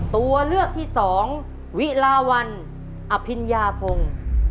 ตัวเลือกที่๒วิลาวัลอภิญาพงษ์